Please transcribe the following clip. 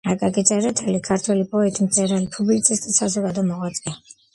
აკაკი წერეთელი ქართველი პოეტი, მწერალი, პუბლიცისტი და საზოგადო მოღვაწეა.